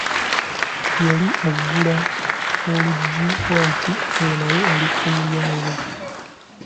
Yali aggula olujji bw'ati nga naye ali ku mulyango.